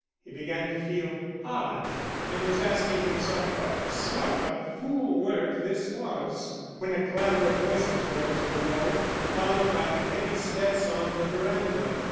He began to feel odd, and was asking himself what sort of fool work this was, when a clatter of voices rose below, followed by heavy steps on the veranda.